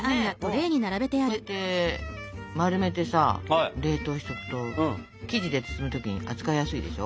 これねこうやって丸めてさ冷凍しとくと生地で包む時に扱いやすいでしょ。